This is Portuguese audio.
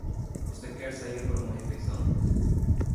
Você quer sair para uma refeição?